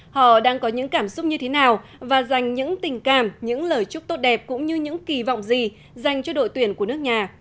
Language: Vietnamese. họ đang có những cảm xúc như thế nào và dành những tình cảm những lời chúc tốt đẹp cũng như những kỳ vọng gì dành cho đội tuyển của nước nhà